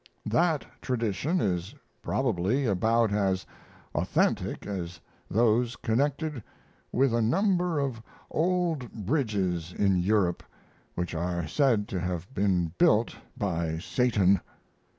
That tradition is probably about as authentic as those connected with a number of old bridges in Europe which are said to have been built by Satan.